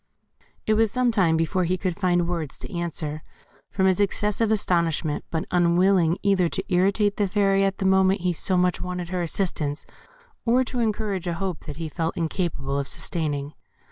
It was some time before he could find words to answer, from his excessive astonishment; but unwilling either to irritate the Fairy at the moment he so much wanted her assistance, or to encourage a hope that he felt incapable of sustaining.